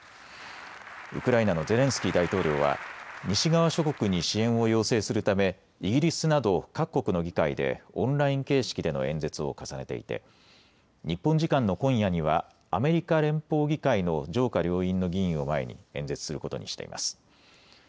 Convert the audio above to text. ウクライナのゼレンスキー大統領は西側諸国に支援を要請するためイギリスなど各国の議会でオンライン形式での演説を重ねていて日本時間の今夜にはアメリカ連邦議会の上下両院の議員を前に演説することにしています。